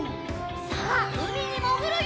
さあうみにもぐるよ！